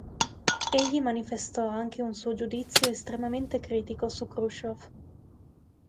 Egli manifestò anche un suo giudizio estremamente critico su Chruščёv.